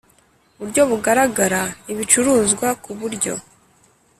Buryo bugaragara ibicuruzwa ku buryo